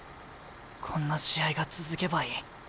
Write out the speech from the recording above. こんな試合が続けばいい。